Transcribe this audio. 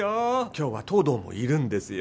今日は藤堂もいるんですよ